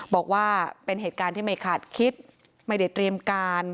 บอกว่าเป็นเหตุการณ์ที่ไม่ขาดคิดไม่ได้เตรียมการ